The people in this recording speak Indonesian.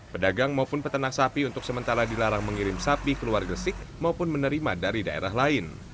pedagang maupun peternak sapi untuk sementara dilarang mengirim sapi keluar gresik maupun menerima dari daerah lain